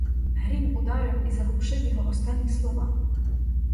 Грім ударив і заглушив його останні слова.